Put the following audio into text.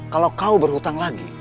kalau kau berhutang lagi